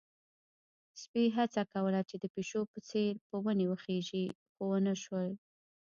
سپي هڅه کوله چې د پيشو په څېر په ونې وخيژي، خو ونه شول.